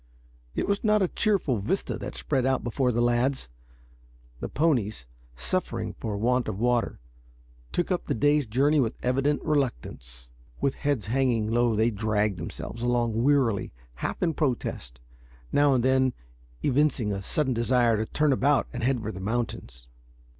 It was not a cheerful vista that spread out before the lads. The ponies, suffering for want of water, took up the day's journey with evident reluctance. With heads hanging low they dragged themselves along wearily, half in protest, now and then evincing a sudden desire to turn about and head for the mountains.